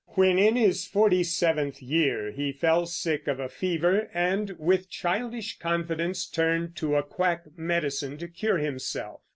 When in his forty seventh year, he fell sick of a fever, and with childish confidence turned to a quack medicine to cure himself.